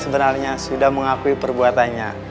sebenarnya sudah mengakui perbuatannya